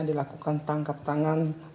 dilakukan tangkap tangan